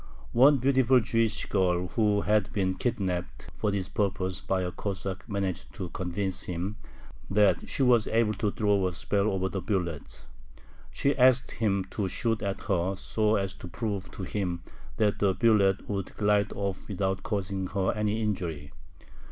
One beautiful Jewish girl who had been kidnaped for this purpose by a Cossack managed to convince him that she was able to throw a spell over bullets. She asked him to shoot at her, so as to prove to him that the bullet would glide off without causing her any injury.